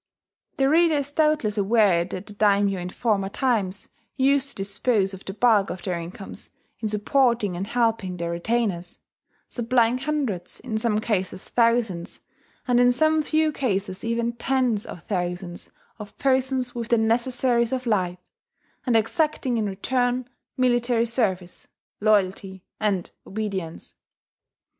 The reader is doubtless aware that the daimyo in former times used to dispose of the bulk of their incomes in supporting and helping their retainers; supplying hundreds, in some cases thousands, and in some few cases, even tens of thousands, of persons with the necessaries of life; and exacting in return military service, loyalty, and obedience.